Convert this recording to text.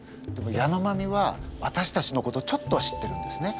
ヤノマミはわたしたちのことをちょっとは知ってるんですね。